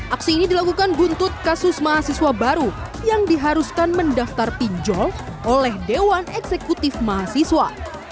aksi ini dilakukan buntut kasus mahasiswa baru yang diharuskan mendaftar pinjol oleh dewan eksekutif mahasiswa